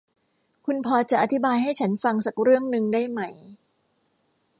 คุณพอจะอธิบายให้ฉันฟังสักเรื่องนึงได้ไหม ?